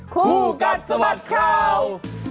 คู่กันสวัสดิ์คราว